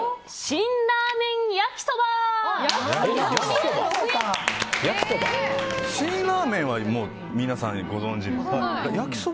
辛ラーメンは皆さんご存じの。